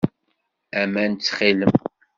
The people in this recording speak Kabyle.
Aman, ttxil-m.